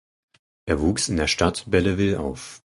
Er wuchs in der Stadt Belleville auf.